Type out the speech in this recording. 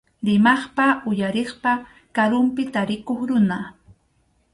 Rimaqpa uyariqpa karunpi tarikuq runa.